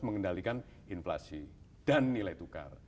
mengendalikan inflasi dan nilai tukar